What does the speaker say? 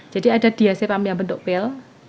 jadi ada diacepam yang bentuk pil